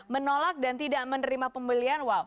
menolak dan tidak menerima pembelian wow